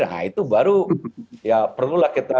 nah itu baru ya perlulah kita